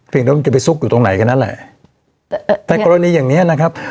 แล้วมันจะไปซุกอยู่ตรงไหนกันนั่นแหละแต่กรณีอย่างเนี้ยนะครับ